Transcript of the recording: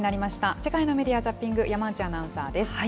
世界のメディア・ザッピング、山内アナウンサーです。